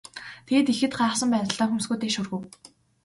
Тэгээд ихэд гайхсан байдалтай хөмсгөө дээш өргөв.